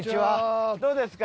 どうですか？